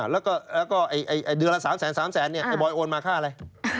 แล้วก็เดือนละ๓๓แสนไอ้บอยโอนมาค่าอะไร